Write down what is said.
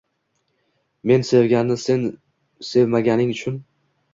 Men sevganni sen sevmaganing-chun